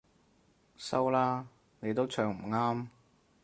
收啦，你都唱唔啱